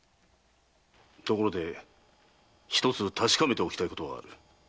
ところでひとつ確かめておきたいことがある。